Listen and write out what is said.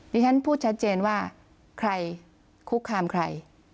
ฉันพูดชัดเจนว่าใครคุกคามใคร